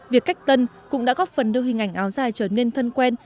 việc cách tân cũng đã góp phần đưa hình ảnh áo dài trở nên thân quen